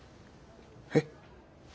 えっ？